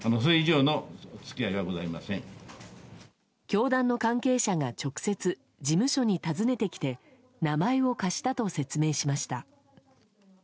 教団の関係者が直接、事務所に訪ねてきて名前を貸したと説明しました。